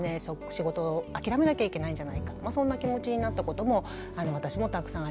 仕事を諦めなきゃいけないんじゃないかそんな気持ちになったことも私もたくさんあります。